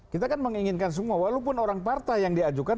kita kan menginginkan semua walaupun orang partai yang diajukan